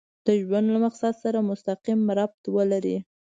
د ژوند له مقصد سره مسقيم ربط ولري.